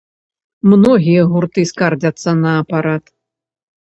Многія гурты скардзяцца на апарат.